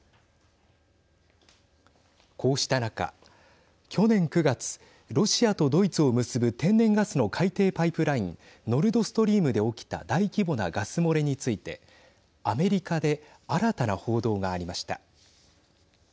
こうした中去年９月ロシアとドイツを結ぶ天然ガスの海底パイプラインノルドストリームで起きた大規模なガス漏れについてアメリカで新たな報道がありました。